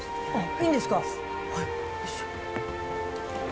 いいんですか？